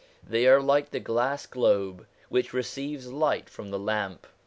They are like the glass globe which receives light from the lamp.